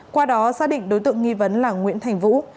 qua đó xác định đối tượng nghi vấn là nguyễn thành vũ